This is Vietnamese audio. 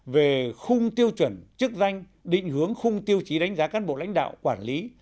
về khung tiêu chuẩn chức danh định hướng khung tiêu chí đánh giá cán bộ lãnh đạo quản lý